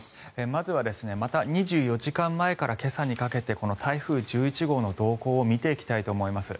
まずは、また２４時間前から今朝にかけてこの台風１１号の動向を見ていきたいと思います。